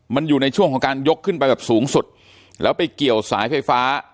มันอยู่ในช่วงของการยกขึ้นไปแบบสูงสุดแล้วไปเกี่ยวสายไฟฟ้า